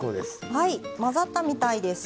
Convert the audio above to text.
はい混ざったみたいです。